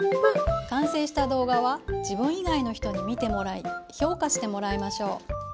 完成した動画は自分以外の人に見てもらい評価してもらいましょう。